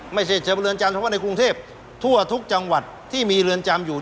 ไม่ใช่เฉพาะเรือนจำเฉพาะในกรุงเทพทั่วทุกจังหวัดที่มีเรือนจำอยู่